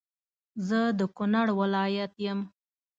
زه د کونړ ولایت يم